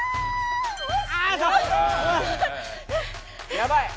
やばい！